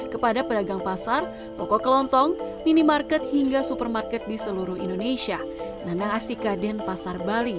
kepada pedagang pasar toko kelontong minimarket hingga supermarket di seluruh indonesia